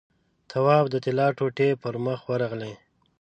تواب د طلا ټوټې پر مخ ورغلې.